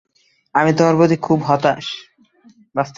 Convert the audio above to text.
আমি তোমার প্রতি খুব হতাশ।